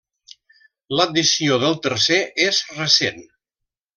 L'addició del tercer és recent.